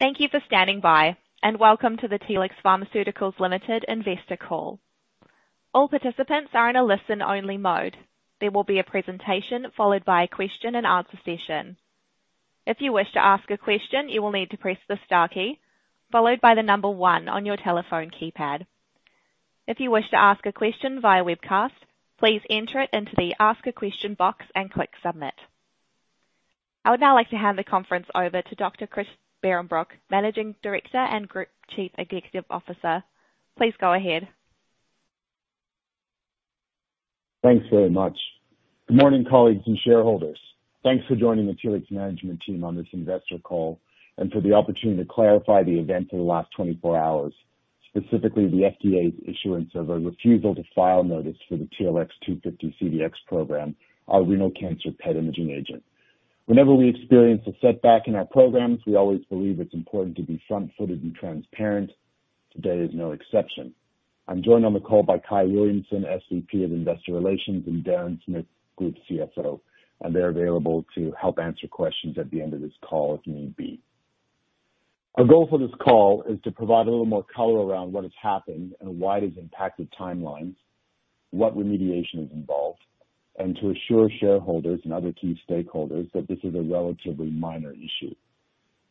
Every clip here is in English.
Thank you for standing by, and welcome to the Telix Pharmaceuticals Limited Investor Call. All participants are in a listen-only mode. There will be a presentation followed by a question-and-answer session. If you wish to ask a question, you will need to press the star key followed by the number one on your telephone keypad. If you wish to ask a question via webcast, please enter it into the Ask a Question box and click Submit. I would now like to hand the conference over to Dr. Chris Behrenbruch, Managing Director and Group Chief Executive Officer. Please go ahead. Thanks very much. Good morning, colleagues and shareholders. Thanks for joining the Telix management team on this investor call, and for the opportunity to clarify the events of the last 24 hours, specifically the FDA's issuance of a Refusal to File notice for the TLX250-CDx program, our renal cancer PET imaging agent. Whenever we experience a setback in our programs, we always believe it's important to be front-footed and transparent. Today is no exception. I'm joined on the call by Kyahn Williamson, SVP of Investor Relations, and Darren Smith, Group CFO, and they're available to help answer questions at the end of this call if need be. Our goal for this call is to provide a little more color around what has happened and why it has impacted timelines, what remediation is involved, and to assure shareholders and other key stakeholders that this is a relatively minor issue.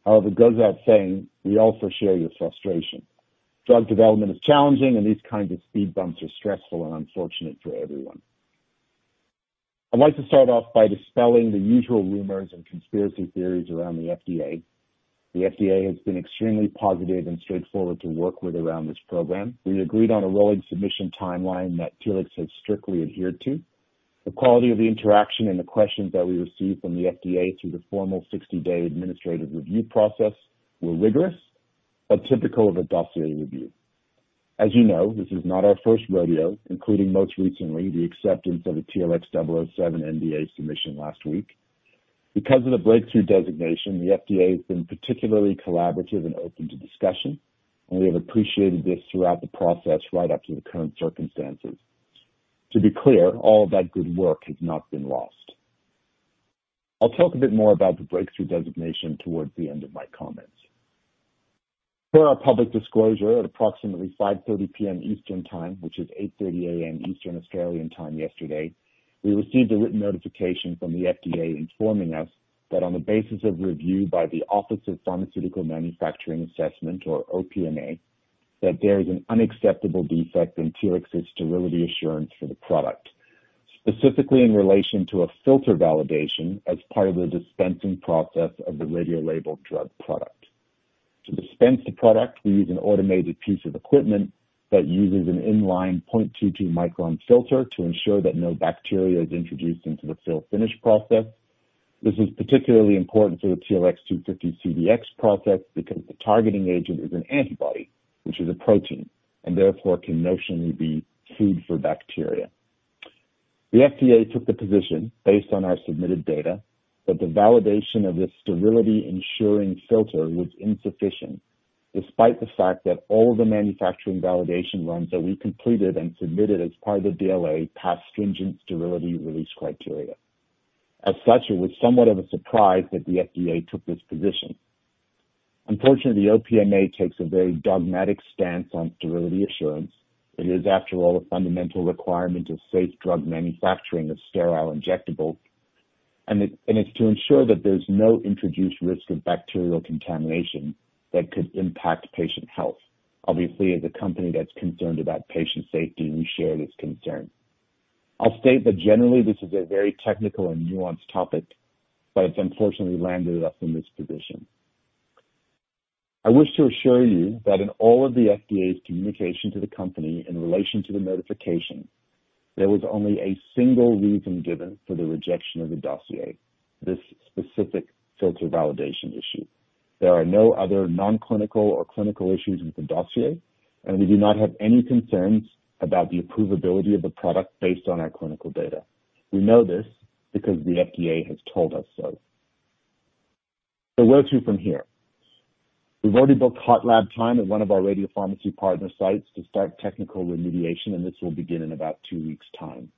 However, it goes without saying, we also share your frustration. Drug development is challenging, and these kinds of speed bumps are stressful and unfortunate for everyone. I'd like to start off by dispelling the usual rumors and conspiracy theories around the FDA. The FDA has been extremely positive and straightforward to work with around this program. We agreed on a rolling submission timeline that Telix has strictly adhered to. The quality of the interaction and the questions that we received from the FDA through the formal 60-day administrative review process were rigorous, but typical of a dossier review. As you know, this is not our first rodeo, including, most recently, the acceptance of a TLX007 NDA submission last week. Because of the breakthrough designation, the FDA has been particularly collaborative and open to discussion, and we have appreciated this throughout the process, right up to the current circumstances. To be clear, all of that good work has not been lost. I'll talk a bit more about the breakthrough designation towards the end of my comments. Per our public disclosure, at approximately 5:30 P.M. Eastern Time, which is 8:30 A.M. Eastern Australian time yesterday, we received a written notification from the FDA informing us that on the basis of review by the Office of Pharmaceutical Manufacturing Assessment, or OPMA, that there is an unacceptable defect in Telix's sterility assurance for the product, specifically in relation to a filter validation as part of the dispensing process of the radiolabeled drug product. To dispense the product, we use an automated piece of equipment that uses an inline 0.22-micron filter to ensure that no bacteria is introduced into the fill-finish process. This is particularly important for the TLX250-CDx process because the targeting agent is an antibody, which is a protein, and therefore can notionally be food for bacteria. The FDA took the position, based on our submitted data, that the validation of this sterility ensuring filter was insufficient, despite the fact that all the manufacturing validation runs that we completed and submitted as part of the BLA passed stringent sterility release criteria. As such, it was somewhat of a surprise that the FDA took this position. Unfortunately, the OPMA takes a very dogmatic stance on sterility assurance. It is, after all, a fundamental requirement of safe drug manufacturing of sterile injectables, and it's to ensure that there's no introduced risk of bacterial contamination that could impact patient health. Obviously, as a company that's concerned about patient safety, we share this concern. I'll state that generally this is a very technical and nuanced topic, but it's unfortunately landed us in this position. I wish to assure you that in all of the FDA's communication to the company in relation to the notification, there was only a single reason given for the rejection of the dossier, this specific filter validation issue. There are no other non-clinical or clinical issues with the dossier, and we do not have any concerns about the approvability of the product based on our clinical data. We know this because the FDA has told us so. So where to from here? We've already booked hot lab time at one of our radiopharmacy partner sites to start technical remediation, and this will begin in about two weeks' time.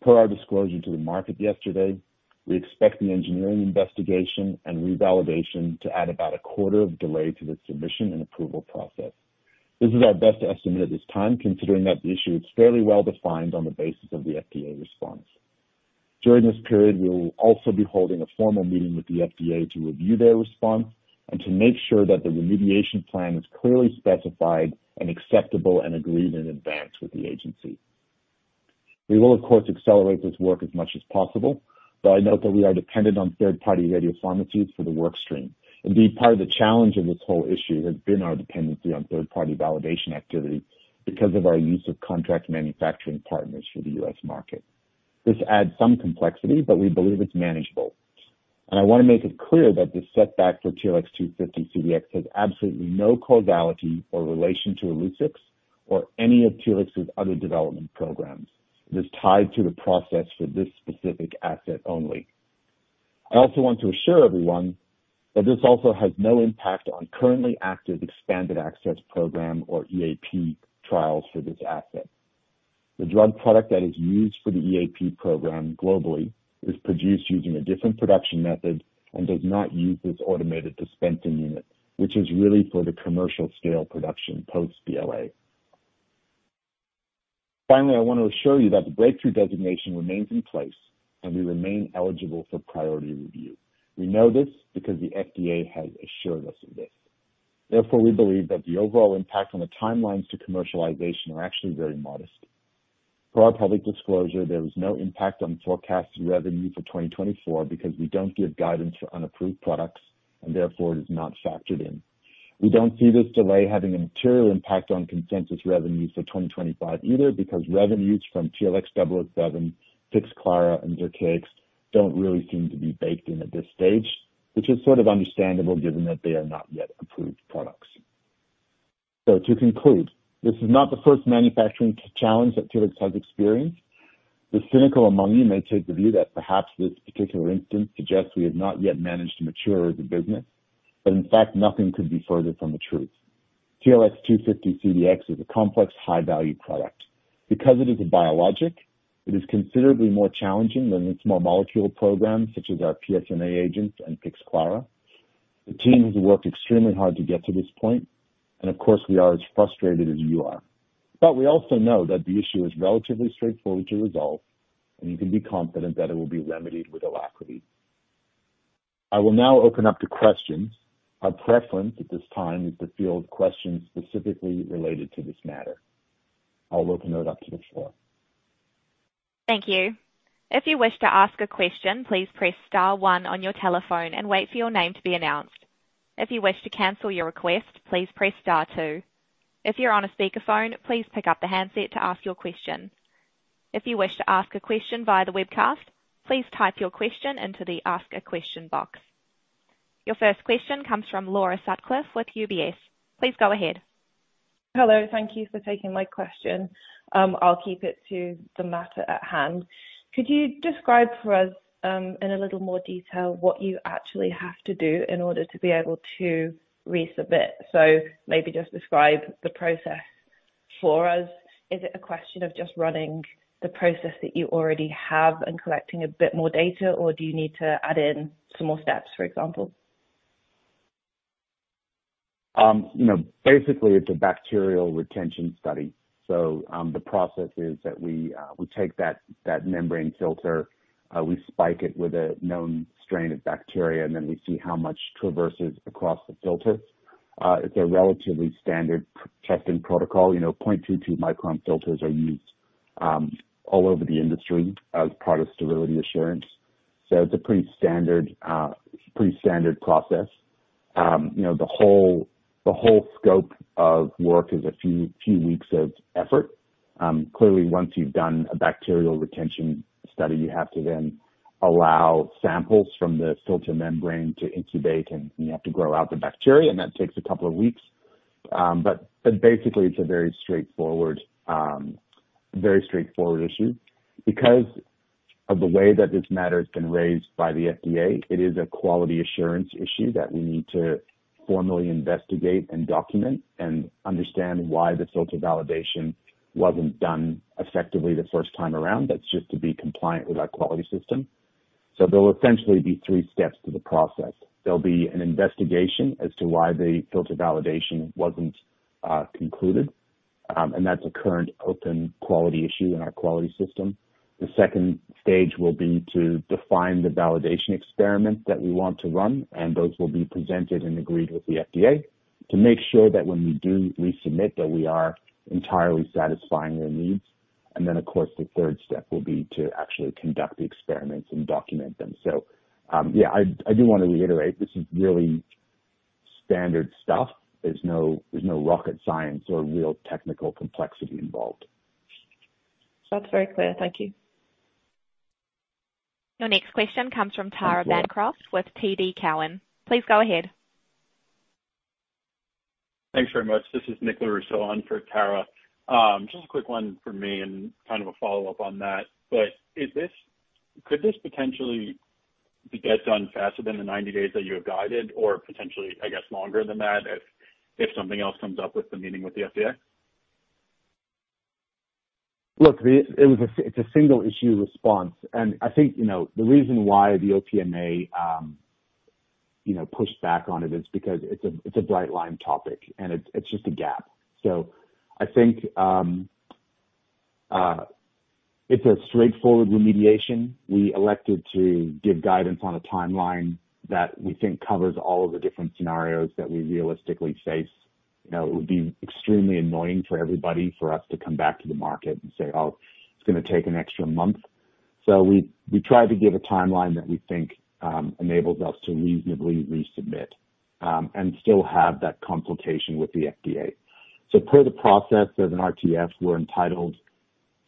Per our disclosure to the market yesterday, we expect the engineering investigation and revalidation to add about a quarter of delay to the submission and approval process. This is our best estimate at this time, considering that the issue is fairly well defined on the basis of the FDA response. During this period, we will also be holding a formal meeting with the FDA to review their response and to make sure that the remediation plan is clearly specified and acceptable and agreed in advance with the agency. We will, of course, accelerate this work as much as possible, but I note that we are dependent on third-party radiopharmacies for the workstream. Indeed, part of the challenge of this whole issue has been our dependency on third-party validation activity because of our use of contract manufacturing partners for the U.S. market. This adds some complexity, but we believe it's manageable. And I want to make it clear that this setback for TLX250-CDx has absolutely no causality or relation to Illuccix or any of Telix's other development programs. It is tied to the process for this specific asset only. I also want to assure everyone that this also has no impact on currently active expanded access program or EAP trials for this asset. The drug product that is used for the EAP program globally is produced using a different production method and does not use this automated dispensing unit, which is really for the commercial scale production post BLA. Finally, I want to assure you that the breakthrough designation remains in place and we remain eligible for priority review. We know this because the FDA has assured us of this. Therefore, we believe that the overall impact on the timelines to commercialization are actually very modest. Per our public disclosure, there was no impact on forecasted revenue for 2024 because we don't give guidance for unapproved products, and therefore it is not factored in. We don't see this delay having a material impact on consensus revenues for 2025 either, because revenues from TLX007, Pixclara, and Zircaix don't really seem to be baked in at this stage, which is sort of understandable given that they are not yet approved products. So to conclude, this is not the first manufacturing challenge that Telix has experienced. The cynical among you may take the view that perhaps this particular instance suggests we have not yet managed to mature as a business, but in fact, nothing could be further from the truth. TLX250-CDx is a complex, high value product. Because it is a biologic, it is considerably more challenging than its small molecule programs, such as our PSMA agents and Pixclara. The team has worked extremely hard to get to this point, and of course, we are as frustrated as you are. But we also know that the issue is relatively straightforward to resolve, and you can be confident that it will be remedied with alacrity. I will now open up to questions. Our preference at this time is to field questions specifically related to this matter. I'll open it up to the floor. Thank you. If you wish to ask a question, please press star one on your telephone and wait for your name to be announced. If you wish to cancel your request, please press star two. If you're on a speakerphone, please pick up the handset to ask your question. If you wish to ask a question via the webcast, please type your question into the Ask a Question box. Your first question comes from Laura Sutcliffe with UBS. Please go ahead. Hello. Thank you for taking my question. I'll keep it to the matter at hand. Could you describe for us, in a little more detail, what you actually have to do in order to be able to resubmit? So maybe just describe the process for us. Is it a question of just running the process that you already have and collecting a bit more data, or do you need to add in some more steps, for example? You know, basically, it's a bacterial retention study. So, the process is that we take that membrane filter, we spike it with a known strain of bacteria, and then we see how much traverses across the filter. It's a relatively standard testing protocol. You know, 0.22 micron filters are used all over the industry as part of sterility assurance. So it's a pretty standard process. You know, the whole scope of work is a few weeks of effort. Clearly, once you've done a bacterial retention study, you have to then allow samples from the filter membrane to incubate, and you have to grow out the bacteria, and that takes a couple of weeks. But basically, it's a very straightforward issue. Because of the way that this matter has been raised by the FDA, it is a quality assurance issue that we need to formally investigate and document and understand why the filter validation wasn't done effectively the first time around. That's just to be compliant with our quality system. So there'll essentially be three steps to the process. There'll be an investigation as to why the filter validation wasn't concluded, and that's a current open quality issue in our quality system. The second stage will be to define the validation experiment that we want to run, and those will be presented and agreed with the FDA, to make sure that when we do resubmit, that we are entirely satisfying their needs. And then, of course, the third step will be to actually conduct the experiments and document them. So, yeah, I do want to reiterate, this is really standard stuff. There's no, there's no rocket science or real technical complexity involved. That's very clear. Thank you. Your next question comes from Tara Bancroft with TD Cowen. Please go ahead. Thanks very much. This is Nicole Rousseau on for Tara. Just a quick one from me and kind of a follow-up on that, but is this—could this potentially get done faster than the 90 days that you have guided, or potentially, I guess, longer than that, if, if something else comes up with the meeting with the FDA? Look, it was a single issue response, and I think, you know, the reason why the OPMA, you know, pushed back on it is because it's a, it's a bright line topic, and it's, it's just a gap. So I think, it's a straightforward remediation. We elected to give guidance on a timeline that we think covers all of the different scenarios that we realistically face. You know, it would be extremely annoying for everybody, for us to come back to the market and say, "Oh, it's gonna take an extra month." So we, we tried to give a timeline that we think, enables us to reasonably resubmit, and still have that consultation with the FDA. So per the process, as an RTF, we're entitled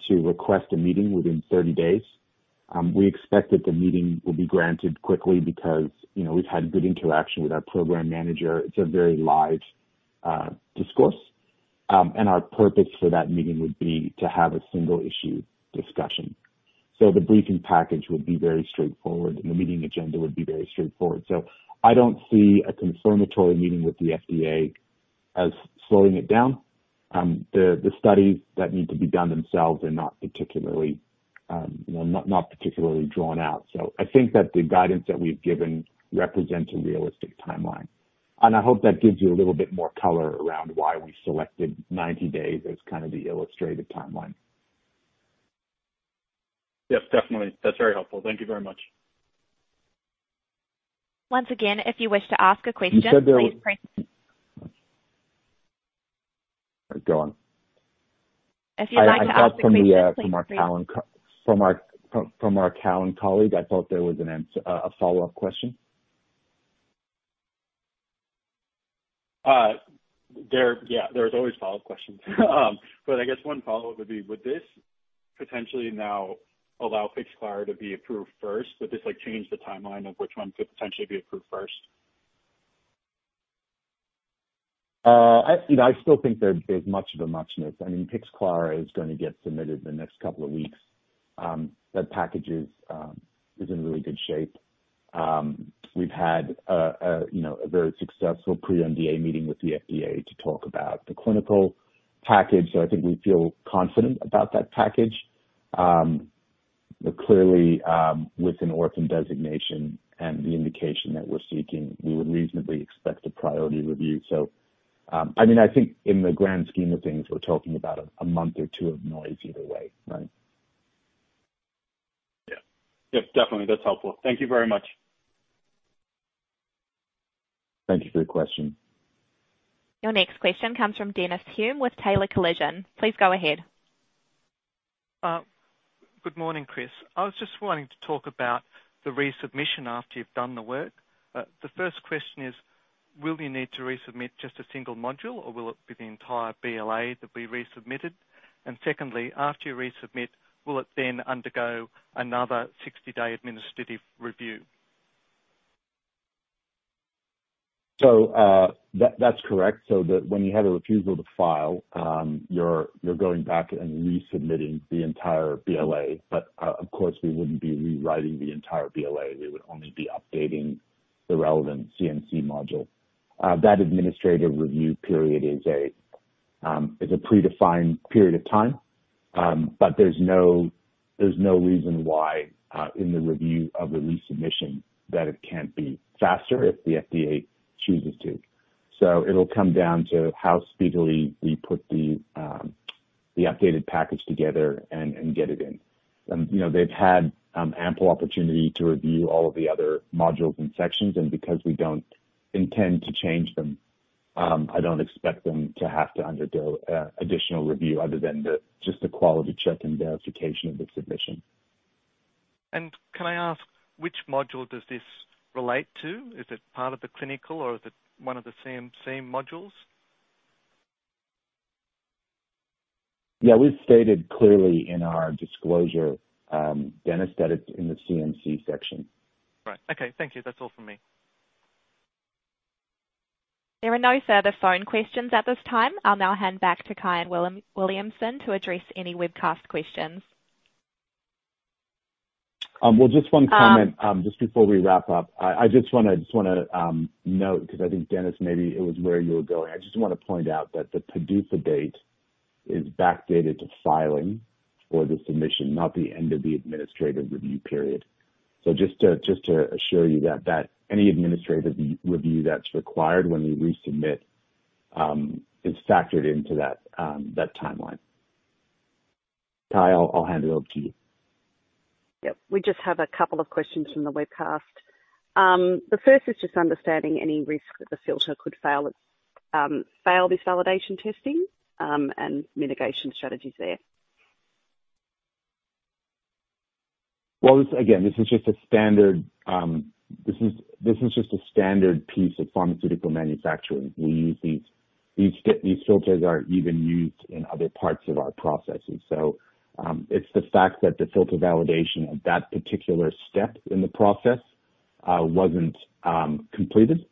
to request a meeting within 30 days. We expect that the meeting will be granted quickly because, you know, we've had good interaction with our program manager. It's a very live discourse, and our purpose for that meeting would be to have a single issue discussion. So the briefing package would be very straightforward, and the meeting agenda would be very straightforward. So I don't see a confirmatory meeting with the FDA as slowing it down. The studies that need to be done themselves are not particularly, you know, not particularly drawn out. So I think that the guidance that we've given represents a realistic timeline. And I hope that gives you a little bit more color around why we selected 90 days as kind of the illustrated timeline. Yes, definitely. That's very helpful. Thank you very much. Once again, if you wish to ask a question, please press- Go on. If you'd like to ask a question, please- I thought from the from our Cowen colleague, I thought there was a follow-up question. Yeah, there's always follow-up questions. But I guess one follow-up would be, would this potentially now allow Pixclara to be approved first? Would this, like, change the timeline of which one could potentially be approved first? I, you know, I still think there's much of a muchness. I mean, Pixclara is going to get submitted in the next couple of weeks. That package is in really good shape. We've had, you know, a very successful pre-NDA meeting with the FDA to talk about the clinical package, so I think we feel confident about that package. But clearly, with an orphan designation and the indication that we're seeking, we would reasonably expect a priority review. So, I mean, I think in the grand scheme of things, we're talking about a month or two of noise either way, right? Yeah. Yep, definitely. That's helpful. Thank you very much. Thank you for the question. Your next question comes from Dennis Hulme with Taylor Collison. Please go ahead. Good morning, Chris. I was just wanting to talk about the resubmission after you've done the work. The first question is: will you need to resubmit just a single module, or will it be the entire BLA to be resubmitted? And secondly, after you resubmit, will it then undergo another 60-day administrative review? So, that's correct. When you have a Refusal to File, you're going back and resubmitting the entire BLA, but of course, we wouldn't be rewriting the entire BLA. We would only be updating the relevant CMC module. That administrative review period is a predefined period of time, but there's no reason why, in the review of the resubmission, that it can't be faster if the FDA chooses to. So it'll come down to how speedily we put the updated package together and get it in. You know, they've had ample opportunity to review all of the other modules and sections, and because we don't intend to change them, I don't expect them to have to undergo additional review other than just the quality check and verification of the submission. Can I ask, which module does this relate to? Is it part of the clinical, or is it one of the CMC modules? Yeah, we've stated clearly in our disclosure, Dennis, that it's in the CMC section. Right. Okay. Thank you. That's all from me. There are no further phone questions at this time. I'll now hand back to Kyahn Williamson to address any webcast questions. Well, just one comment- Um- Just before we wrap up. I just wanna note, because I think, Dennis, maybe it was where you were going. I just wanna point out that the PDUFA date is backdated to filing for the submission, not the end of the administrative review period. So just to assure you that any administrative review that's required when we resubmit is factored into that timeline. Kyahn, I'll hand it over to you. Yep. We just have a couple of questions from the webcast. The first is just understanding any risk that the filter could fail this validation testing, and mitigation strategies there. Well, this, again, this is just a standard piece of pharmaceutical manufacturing. We use these. These filters are even used in other parts of our processes. So, it's the fact that the filter validation of that particular step in the process wasn't completed.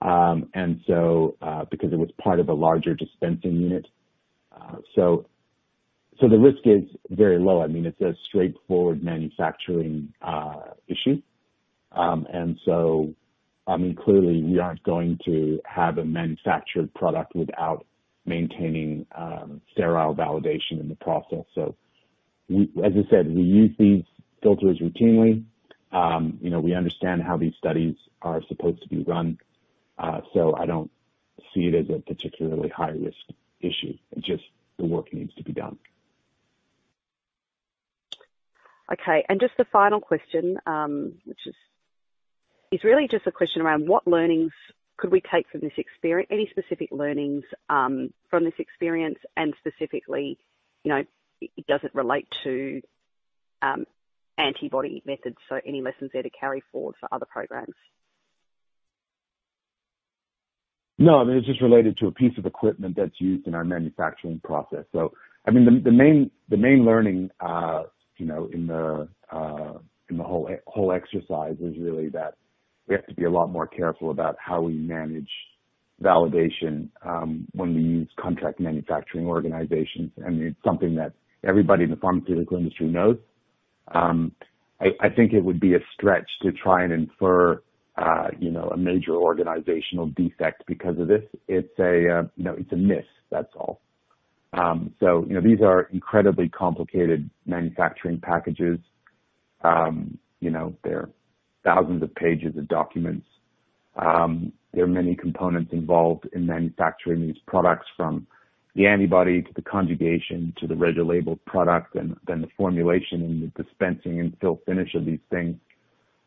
And so, because it was part of a larger dispensing unit. So, the risk is very low. I mean, it's a straightforward manufacturing issue. And so, I mean, clearly, we aren't going to have a manufactured product without maintaining sterile validation in the process. So we, as I said, we use these filters routinely. You know, we understand how these studies are supposed to be run, so I don't see it as a particularly high-risk issue. Just the work needs to be done. Okay, and just a final question, which is, it's really just a question around: what learnings could we take from this experience, any specific learnings from this experience, and specifically, you know, does it relate to antibody methods? So any lessons there to carry forward for other programs. No, I mean, it's just related to a piece of equipment that's used in our manufacturing process. So, I mean, the main learning, you know, in the whole exercise was really that we have to be a lot more careful about how we manage validation, when we use contract manufacturing organizations, and it's something that everybody in the pharmaceutical industry knows. I think it would be a stretch to try and infer, you know, a major organizational defect because of this. It's a, you know, it's a miss, that's all. So, you know, these are incredibly complicated manufacturing packages. You know, there are thousands of pages of documents. There are many components involved in manufacturing these products, from the antibody to the conjugation to the radiolabeled product and then the formulation and the dispensing and fill-finish of these things.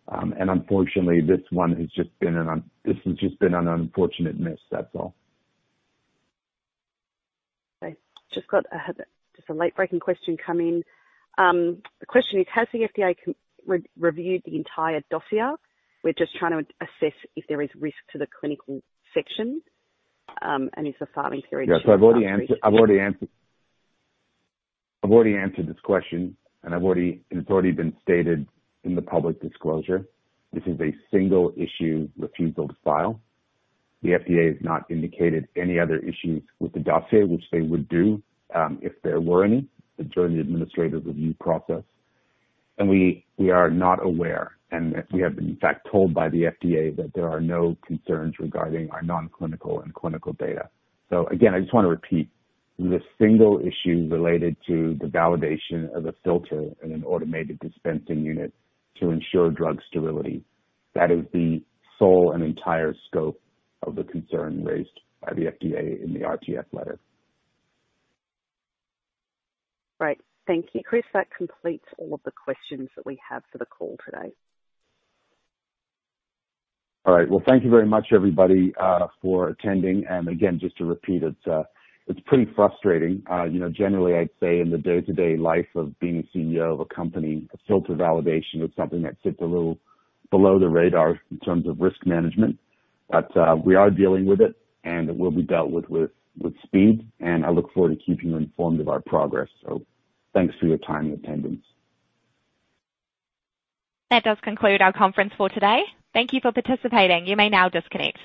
And unfortunately, this one has just been—this has just been an unfortunate miss, that's all. I just got just a late-breaking question come in. The question is: has the FDA re-reviewed the entire dossier? We're just trying to assess if there is risk to the clinical section, and if the filing period- Yes, so I've already answered, I've already answered, I've already answered this question, and I've already, it's already been stated in the public disclosure. This is a single issue, Refusal to File. The FDA has not indicated any other issues with the dossier, which they would do, if there were any, during the administrative review process. And we, we are not aware, and we have been, in fact, told by the FDA that there are no concerns regarding our non-clinical and clinical data. So again, I just want to repeat, the single issue related to the validation of a filter in an automated dispensing unit to ensure drug sterility, that is the sole and entire scope of the concern raised by the FDA in the RTF letter. Great. Thank you, Chris. That completes all of the questions that we have for the call today. All right, well, thank you very much, everybody, for attending. And again, just to repeat, it's, it's pretty frustrating. You know, generally, I'd say in the day-to-day life of being a CEO of a company, a filter validation is something that sits a little below the radar in terms of risk management. But, we are dealing with it, and it will be dealt with with speed, and I look forward to keeping you informed of our progress. So thanks for your time and attendance. That does conclude our conference for today. Thank you for participating. You may now disconnect.